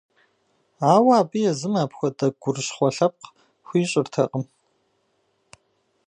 Ауэ абы езым апхуэдэ гурыщхъуэ лъэпкъ хуищӏыртэкъым.